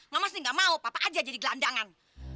mama sih gak mau papa aja jadi gelandangan